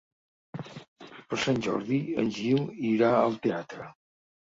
Per Sant Jordi en Gil irà al teatre.